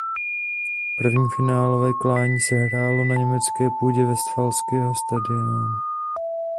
První finálové klání se hrálo na německé půdě Vestfálského stadionu.